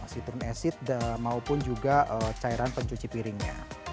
citrum acid maupun juga cairan pencuci piringnya